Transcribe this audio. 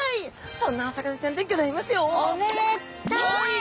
そんなお魚ちゃんでギョざいますよ！